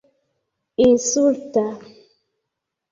insulta